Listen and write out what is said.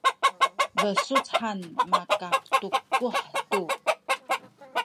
besuc han makatukuh tu